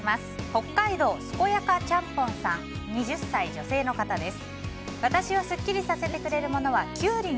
北海道、２０歳女性の方です。